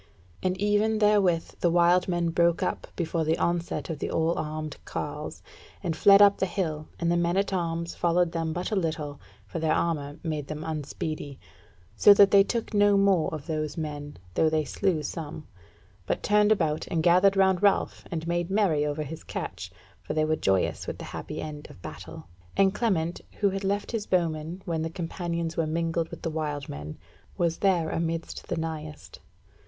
And even therewith the wild men broke up before the onset of the all armed carles, and fled up the hill, and the men at arms followed them but a little, for their armour made them unspeedy; so that they took no more of those men, though they slew some, but turned about and gathered round Ralph and made merry over his catch, for they were joyous with the happy end of battle; and Clement, who had left his bowmen when the Companions were mingled with the wild men, was there amidst the nighest.